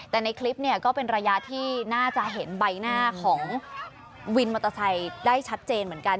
แต่ในคลิปเนี่ยก็เป็นระยะที่น่าจะเห็นใบหน้าของวินมอเตอร์ไซค์ได้ชัดเจนเหมือนกัน